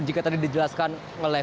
jika tadi dijelaskan oleh